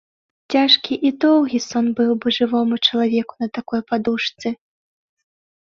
Цяжкі і доўгі сон быў бы жывому чалавеку на такой падушцы.